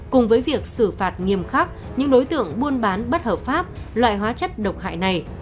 cùng với việc xử phạt nghiêm khắc những đối tượng buôn bán bất hợp pháp loại hóa chất độc hại này